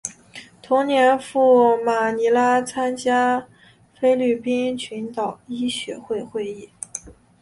同年赴马尼拉参加菲律宾群岛医学会会议。